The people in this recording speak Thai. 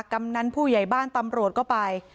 กำนันผู้ใหญ่บ้านตำรวจก็ไป